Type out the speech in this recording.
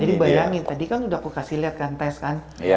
jadi bayangin tadi kan udah aku kasih liat kan tes kan